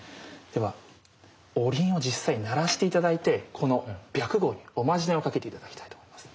ではおりんを実際鳴らして頂いてこの白毫におまじないをかけて頂きたいと思います。